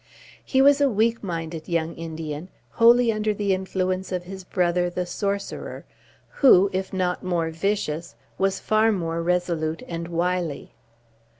He was a weak minded young Indian, wholly under the influence of his brother, the sorcerer, who, if not more vicious, was far more resolute and wily.